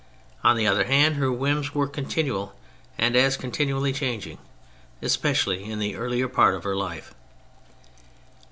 On the other hand, her whims were continual and as continually changing, especially in the earlier part of her life.